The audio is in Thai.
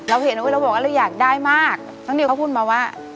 เห็นเราบอกว่าเราอยากได้มากน้องนิวเขาพูดมาว่า